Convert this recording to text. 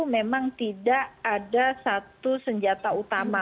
memang tidak ada satu senjata utama